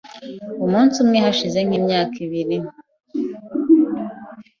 Umunsi umwe hashize nki imyaka ibiri